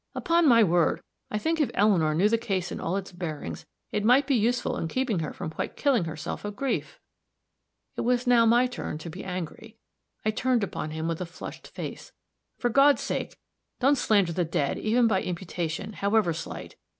Upon my word, I think if Eleanor knew the case in all its bearings, it might be useful in keeping her from quite killing herself of grief." It was now my turn to be angry; I turned upon him with a flushed face: "For God's sake, don't slander the dead, even by imputation, however slight.